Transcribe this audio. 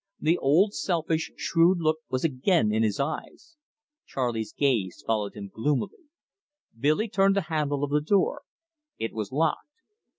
The old selfish, shrewd look was again in his eyes. Charley's gaze followed him gloomily. Billy turned the handle of the door. It was locked.